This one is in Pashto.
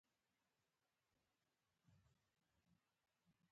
پرېږدي یې چې ډوډۍ ښه سره شي او پخه شي په پښتو وینا.